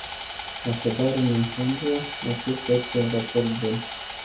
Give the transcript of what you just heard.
Așadar, în ansamblu, acesta este un raport bun.